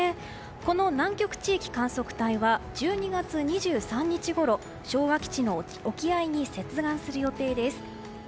この南極地域観測隊は１２月２３日ごろ昭和基地の沖合に接岸する予定です。